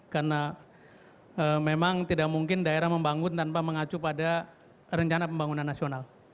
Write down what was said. karena memang tidak mungkin daerah membangun tanpa mengacu pada rencana pembangunan nasional